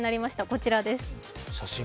こちらです。